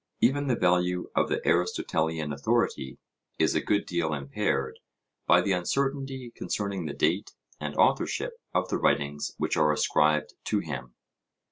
Even the value of the Aristotelian authority is a good deal impaired by the uncertainty concerning the date and authorship of the writings which are ascribed to him.